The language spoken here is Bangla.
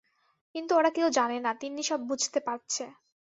কিন্তু ওরা কেউ জানে না, তিন্নি সব বুঝতে পারছে।